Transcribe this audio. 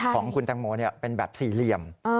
ของคุณแตงโมเป็นแบบสี่เหลี่ยม